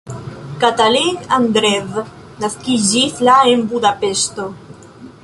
Katalin Andresz naskiĝis la en Budapeŝto.